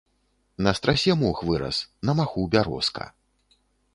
На страсе мох вырас, на маху бярозка.